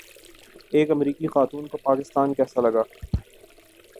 ایک امریکی خاتون کو پاکستان کیسا لگا